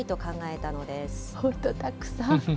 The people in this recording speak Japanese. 本当、たくさん。